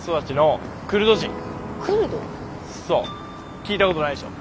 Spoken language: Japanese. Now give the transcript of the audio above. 聞いたことないっしょ。